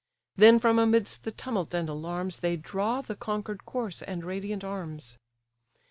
Then from amidst the tumult and alarms, They draw the conquer'd corse and radiant arms.